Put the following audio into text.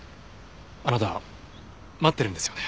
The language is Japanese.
あなたは待ってるんですよね？